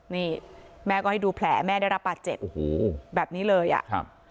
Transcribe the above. นี่แม่ก็ให้ดูแผลแม่ได้รับบาดเจ็บโอ้โหแบบนี้เลยอ่ะครับ